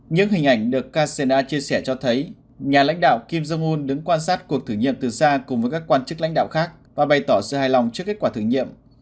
những hình ảnh được kcna chia sẻ cho thấy nhà lãnh đạo kim jong un đứng quan sát cuộc thử nghiệm từ xa cùng với các quan chức lãnh đạo khác và bày tỏ sự hài lòng trước kết quả thử nghiệm